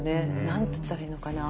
何つったらいいのかな